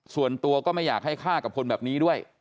ส่วนตัวก็ไม่อยากให้ฆ่ากับคนแบบนี้ด้วย